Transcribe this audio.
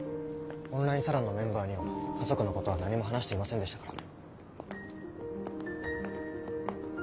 オンラインサロンのメンバーには家族のことは何も話していませんでしたから。